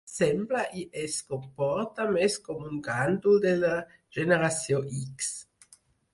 Sembla i es comporta més com un gandul de la Generació X.